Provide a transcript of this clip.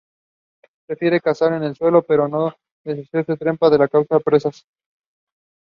Prefiere cazar en el suelo, pero no desecha trepar para capturar presas.